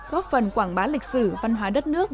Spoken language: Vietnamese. góp phần quảng bá lịch sử văn hóa đất nước